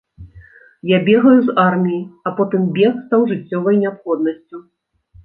Я бегаю з арміі, а потым бег стаў жыццёвай неабходнасцю.